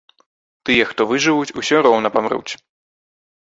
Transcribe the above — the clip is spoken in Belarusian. Тыя, хто выжывуць, усё роўна памруць.